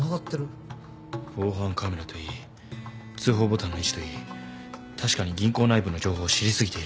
防犯カメラといい通報ボタンの位置といい確かに銀行内部の情報を知り過ぎている。